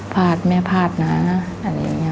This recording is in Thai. พลาดไม่พลาดนะอย่างนี้ค่ะ